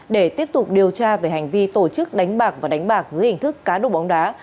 để tiếp tục điều tra về hành vi tổ chức đánh bạc và đánh bạc dưới hình thức cá độ bóng đá